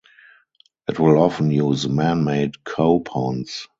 It will often use man-made cow ponds.